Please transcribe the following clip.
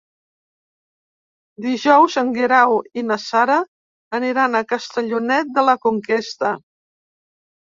Dijous en Guerau i na Sara aniran a Castellonet de la Conquesta.